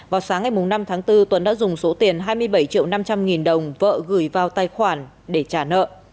vào sáng ngày năm tháng bốn tuấn đã dùng số tiền hai mươi bảy triệu năm trăm linh nghìn đồng vợ gửi vào tài khoản để trả nợ